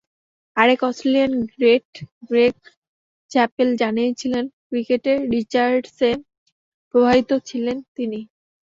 আরেক Australian great Greg Chappell জানিয়েছিলেন ক্রিকেটে রিচার্ডসে প্রভাবিত ছিলেন তিনি।